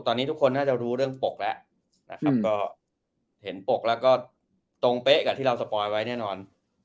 ตอนนี้ทุกคนน่าจะรู้เรื่องปกแล้วตรงเป๊ะกับที่เราสปอยไว้แน่นอน